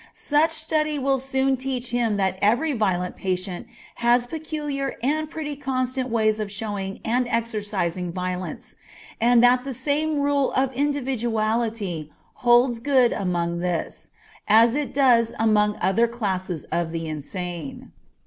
Such study will soon teach him that every violent patient has peculiar and pretty constant ways of showing and exercising violence, and that the same rule of individuality holds good among this, as it does among other classes of the insane.